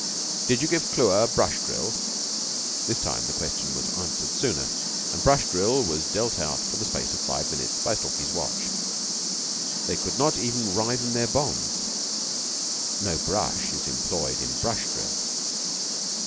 "Did you give Clewer Brush drill?" This time the question was answered sooner, and Brush drill was dealt out for the space of five minutes by Stalky's watch. They could not even writhe in their bonds. No brush is employed in Brush drill.